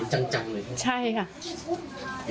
เห็นจังเลยครับ